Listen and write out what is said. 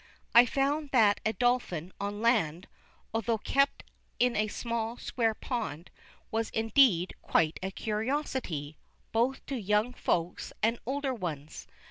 I found that a Dolphin on land, although kept in a small square pond, was indeed quite a curiosity, both to young Folks and older ones.